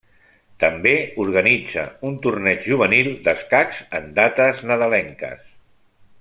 També organitza un torneig juvenil d'escacs en dates nadalenques.